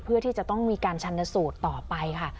เพื่อที่จะต้องมีการชันสูตรต่อไปค่ะ